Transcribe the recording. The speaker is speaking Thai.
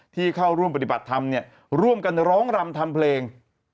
ที่เข้าร่วมปฏิบัติธรรมร่วมกันร้องรำทำเพลง